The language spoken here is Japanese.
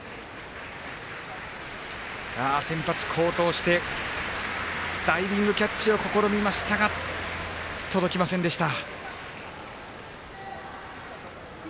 先発好投してダイビングキャッチを試みましたが、届きませんでした。